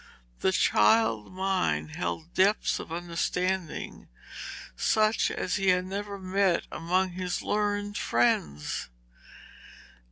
This child mind held depths of understanding such as he had never met with among his learned friends.